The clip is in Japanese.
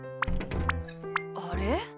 あれ？